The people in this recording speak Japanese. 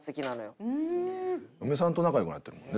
嫁さんと仲良くなってるもんね